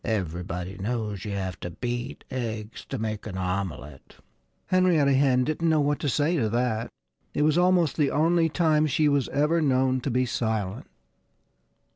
"Everybody knows you have to beat eggs to make an omelette." Henrietta Hen didn't know what to say to that. It was almost the only time she was ever known to be silent.